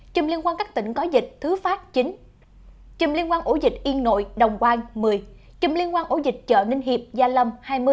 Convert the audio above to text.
chùm liên quan các tỉnh có dịch thứ pháp chín chùm liên quan ổ dịch yên nội đồng quang một mươi chùm liên quan ổ dịch chợ ninh hiệp gia lâm hai mươi